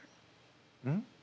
うん？